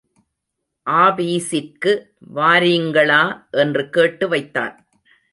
ஆபீஸிற்கு வாரீங்களா என்று கேட்டு வைத்தான்.